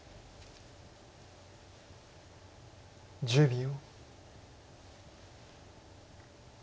１０秒。